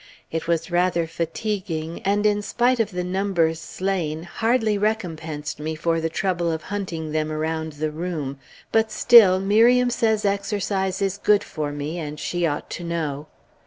It was rather fatiguing, and in spite of the numbers slain, hardly recompensed me for the trouble of hunting them around the room; but still, Miriam says exercise is good for me, and she ought to know.